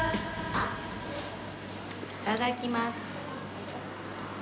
いただきます。